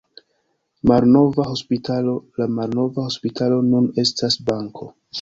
Malnova hospitalo: La malnova hospitalo nun estas banko.